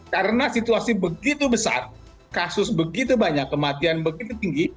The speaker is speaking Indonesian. karena situasi begitu besar kasus begitu banyak kematian begitu tinggi